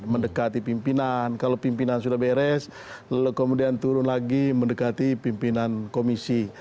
mendekati pimpinan kalau pimpinan sudah beres lalu kemudian turun lagi mendekati pimpinan komisi